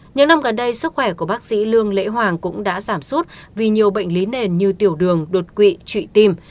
những năm gần đây sức khỏe của bác sĩ lương lễ hoàng cũng đã giảm sút vì nhiều bệnh lý nền như tiểu đường đột quỵ trụy tim